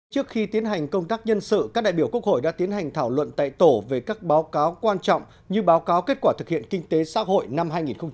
trước khi tiến hành công tác nhân sự các đại biểu quốc hội đã tiến hành thảo luận tại tổ về các báo cáo quan trọng như báo cáo kết quả thực hiện kinh tế xã hội năm hai nghìn một mươi tám